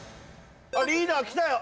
リーダーきたよ。